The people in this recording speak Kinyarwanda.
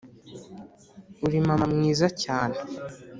uri mama mwiza cyane,